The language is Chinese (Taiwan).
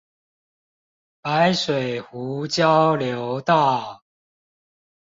白水湖交流道